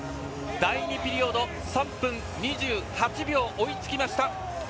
第２ピリオド、３分２８秒追いつきました！